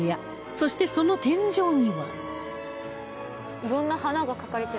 そしてその天井には